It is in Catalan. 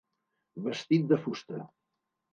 Vestit de fusta.